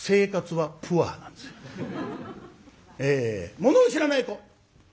ものを知らない子。